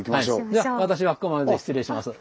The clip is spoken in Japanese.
じゃ私はここまでで失礼します。